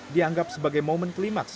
dianggap sebagai momen klimaks